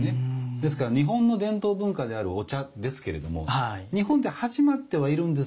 ですから日本の伝統文化であるお茶ですけれども日本で始まってはいるんですがお持ち帰りになられて